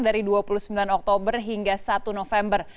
dari dua puluh sembilan oktober hingga satu november